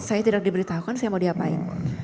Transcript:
saya tidak diberitahukan saya mau diapain